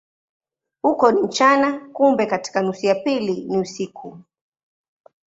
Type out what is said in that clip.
Huko ni mchana, kumbe katika nusu ya pili ni usiku.